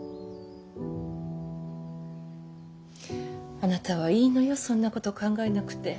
あなたはいいのよそんなこと考えなくて。